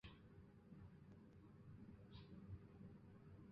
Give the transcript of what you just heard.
鸦鹃属为鹃形目杜鹃科的一属。